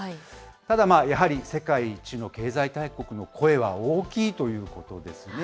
ただやはり、世界一の経済大国の声は大きいということですね。